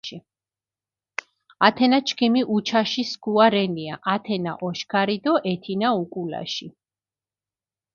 ათენა ჩქიმი უჩაში სქუა რენია, ათენა ოშქარი დო ეთინა უკულაში.